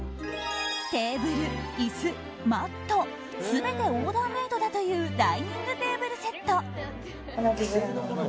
テーブル、椅子、マット全てオーダーメイドだというダイニングテーブルセット。